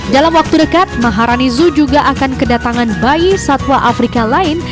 dalam waktu dekat maharani zoo juga akan kedatangan bayi satwa afrika lain